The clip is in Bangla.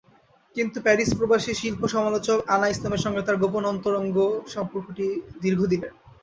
কিন্তু প্যারিসপ্রবাসী শিল্প-সমালোচক আনা ইসলামের সঙ্গে তাঁর গোপন অন্তরঙ্গ সম্পর্ক দীর্ঘ দিনের।